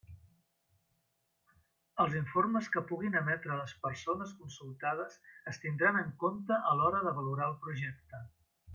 Els informes que puguin emetre les persones consultades es tindran en compte a l'hora de valorar el projecte.